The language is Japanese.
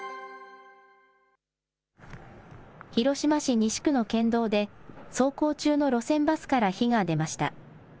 広島市西区の県道で、走行中の路線バスから火が出ました。